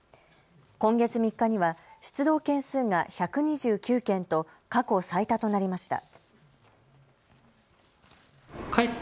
今月３日には出動件数が１２９件と過去最多となりました。